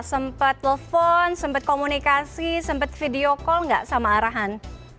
sempat telepon sempat komunikasi sempat video call nggak sama arahan